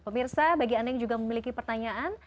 pemirsa bagi anda yang juga memiliki pertanyaan